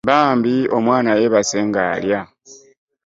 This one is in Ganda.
Bambi omwaana yebase nga'lya